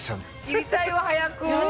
切りたいわ早く。